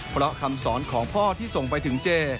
เพราะคำสอนของพ่อที่ส่งไปถึงเจ